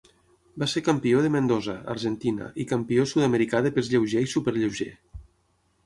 Va ser campió de Mendoza, Argentina, i campió sud-americà de pes lleuger i superlleuger.